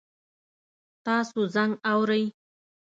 تاسو زنګ اورئ؟